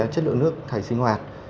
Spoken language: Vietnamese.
chất lượng nước thải sinh hoạt